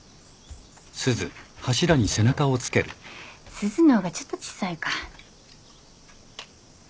すずの方がちょっとちっさいか。